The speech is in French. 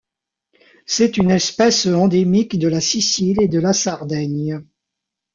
C'est une espèce endémique de la Sicile et de la Sardaigne.